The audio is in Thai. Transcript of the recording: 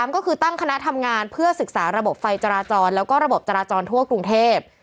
ก็คือตั้งคณะทำงานเพื่อศึกษาระบบไฟจราจรแล้วก็ระบบจราจรทั่วกรุงเทพ